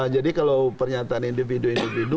jadi kalau pernyataan individu individu